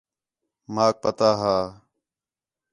ماک پتہ ہا